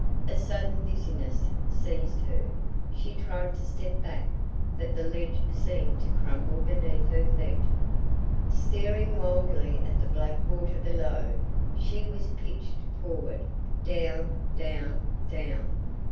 A sudden dizziness seized her. She tried to step back, but the ledge seemed to crumble beneath her feet! Staring wildly at the black water below, she was pitched forward down, down, down!